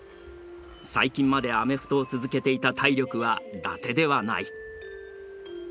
最近までアメフトを続けていた体力はダテではない。